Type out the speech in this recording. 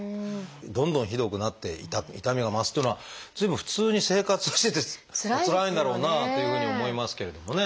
どんどんひどくなっていた痛みが増すというのは随分普通に生活をしてておつらいんだろうなというふうに思いますけれどもね。